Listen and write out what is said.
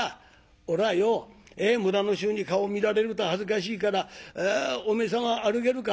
おらよ村の衆に顔見られると恥ずかしいからお前様歩けるか？